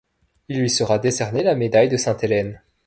Il lui sera décerné la médaille de Sainte-Hélène.